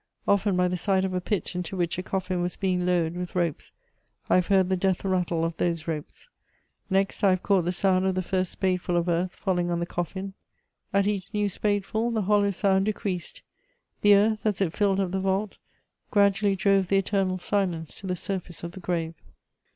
Often, by the side of a pit into which a coffin was being lowered with ropes, I have heard the death rattle of those ropes; next, I have caught the sound of the first spadeful of earth falling on the coffin: at each new spadeful the hollow sound decreased; the earth, as it filled up the vault, gradually drove the eternal silence to the surface of the grave.